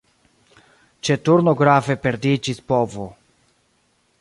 Ĉe turno grave perdiĝis povo.